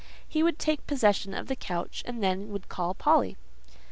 He would take possession of the couch, and then he would call Polly.